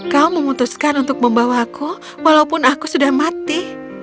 kau memutuskan untuk membawaku walaupun aku sudah mati